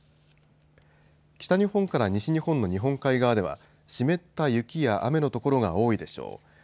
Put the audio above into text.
北日本から西日本の日本海側では湿った雪や雨の所が多いでしょう。